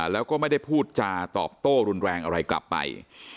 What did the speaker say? แล้วก็ไม่ได้พูดจาตอบโต้รุนแรงอะไรกลับไป